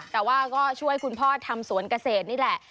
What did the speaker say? แต่ว่าก็ช่วยคุณพ่อทำสวนเกษตรนี่แหละ